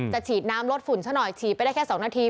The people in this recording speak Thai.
จะฉีดน้ำลดฝุ่นเท่านั้นฉีดไปได้แค่๒นาที